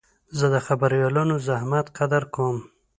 زه د خبریالانو د زحمت قدر کوم.